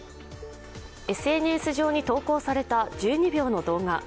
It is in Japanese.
ＳＮＳ上に投稿された１２秒の動画。